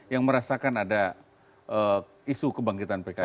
yang merasakan ada isu kebangkitan pki